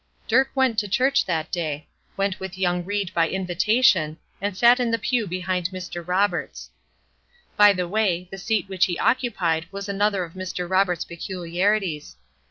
Dirk went to the church that day; went with young Ried by invitation, and sat in the pew behind Mr. Roberts. By the way, the seat which he occupied was another of Mr. Roberts' peculiarities.